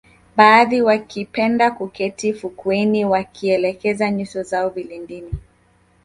Baadhi wakipenda kuketi fukweni wakielekeza nyuso zao vilindini